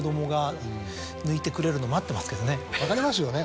分かりますよね